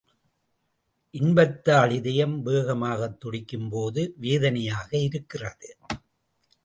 இன்பத்தால் இதயம் வேகமாகத் துடிக்கும் போது வேதனையாக இருக்கிறது.